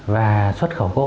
và xuất khẩu gỗ